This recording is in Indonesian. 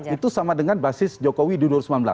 itu sama dengan basis jokowi di dua ribu sembilan belas